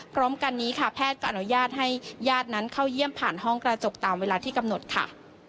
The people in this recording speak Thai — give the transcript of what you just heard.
พร้อมกันนี้ค่ะแพทย์ก็อนุญาตให้ญาตินั้นเข้าเยี่ยมผ่านห้องกระจกตามเวลาที่กำหนดค่ะ